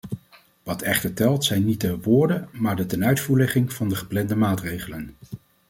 Wat echter telt zijn niet de woorden maar de tenuitvoerlegging van de geplande maatregelen.